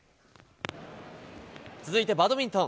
続いて、バドミントン。